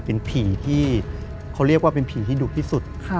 เป็นผีที่เขาเรียกว่าเป็นผีที่ดุที่สุด